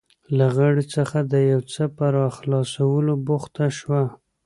له غاړې څخه د یو څه په راخلاصولو بوخته شوه.